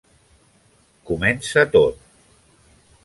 Comença tot.